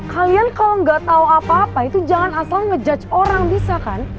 kalian kalau nggak tahu apa apa itu jangan asal ngejudge orang bisa kan